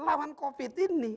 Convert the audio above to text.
lawan covid ini